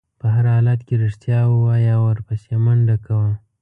په هر حالت کې رښتیا ووایه او ورپسې منډه کوه.